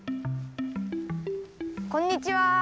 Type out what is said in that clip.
こんにちは。